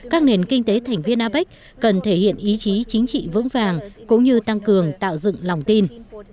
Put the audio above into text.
các nền kinh tế thành viên apec cần thể hiện ý chí chính trị vững vàng cũng như tăng cường tạo dựng lòng tin